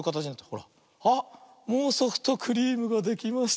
もうソフトクリームができました。